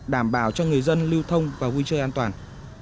đảm bảo cho người dân lưu thông và vui chơi an toàn